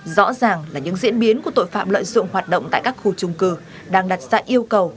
rõ ràng là những diễn biến của tội phạm lợi dụng hoạt động tại các khu trung cư đang đặt ra yêu cầu